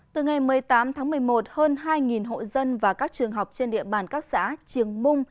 từ ngày một mươi tám tháng một mươi một hơn hai hộ dân và các trường học trên địa bàn các xã trường mung